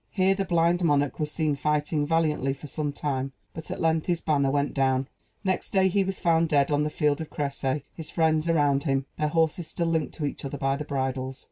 Here the blind monarch was seen fighting valiantly for some time; but at length his banner went down. Next day he was found dead on the field of Crécy his friends around him their horses still linked to each other by the bridles.